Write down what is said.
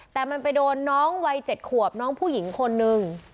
แต่มันไปโดนน้องวัย๗ขวบน้องผู้หญิงคนนึง